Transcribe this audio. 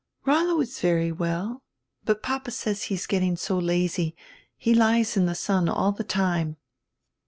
"Rollo is very well, hut papa says he is getting so lazy. He lies in the sun all die time."